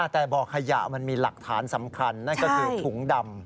แต่บ่อขยะมันมีหลักฐานสำคัญนั่นก็คือถุงดำ